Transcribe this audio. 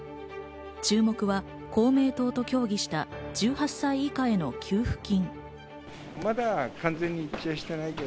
注目は公明党と協議した１８歳以下への給付金。